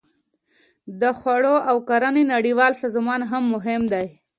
د خوړو او کرنې نړیوال سازمان هم مهم دی